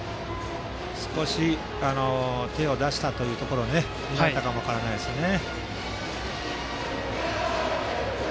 少し手を出したところに投げたかも分からないですね。